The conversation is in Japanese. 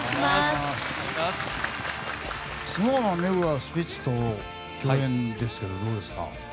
ＳｎｏｗＭａｎの目黒はスピッツと共演ですけどどうですか？